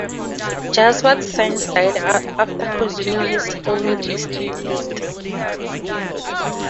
Jaswant Singh died after consuming his own distillate.